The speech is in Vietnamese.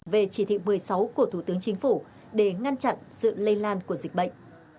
về chỉ thị một mươi sáu của thủ tướng chính phủ để ngăn chặn sự lây lan của dịch bệnh